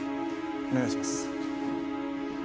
お願いします。